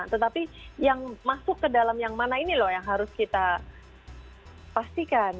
tetapi yang masuk ke dalam yang mana ini loh yang harus kita pastikan